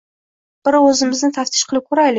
Bir o‘zimizni taftish qilib ko‘raylik.